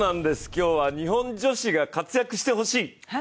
今日は日本女子が活躍してほしい！